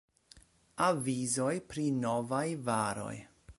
Avizoj pri Novaj Varoj.